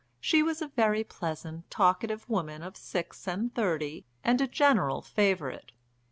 She was a very pleasant, talkative woman of six and thirty, and a general favourite.